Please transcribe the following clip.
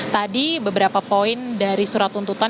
tadi beberapa poin dari surat tuntutan